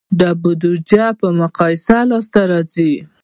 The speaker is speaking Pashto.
دا د بودیجې په مقایسه لاسته راځي.